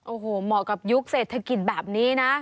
โอ้โหเหมาะกับยุคเศรษฐกิจแบบนี้นะ